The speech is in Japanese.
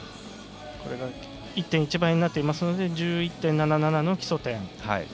これが１．１倍になっていますので１１．７７の基礎点。